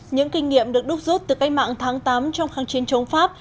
những kinh nghiệm được đúc rút từ cách mạng tháng tám trong kháng chiến chống pháp